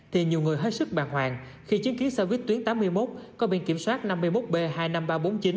thì nhiều người hết sức bàng hoàng khi chứng kiến xe buýt tuyến tám mươi một có biển kiểm soát năm mươi một b hai mươi năm nghìn ba trăm bốn mươi chín